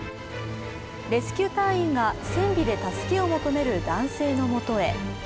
レスキュー隊員が船尾で助けを求める男性の元へ。